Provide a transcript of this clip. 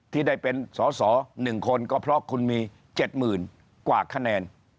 ที่ได้เป็นสอหนึ่งคนก็เพราะคุณมีเจ็ดหมื่นกว่าคะแนน